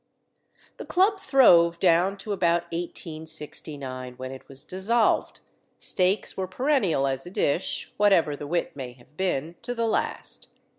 The club throve down to about 1869, when it was dissolved; steaks were perennial as a dish, whatever the wit may have been, to the last.